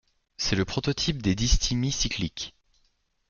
C’est le prototype des dysthymies cycliques.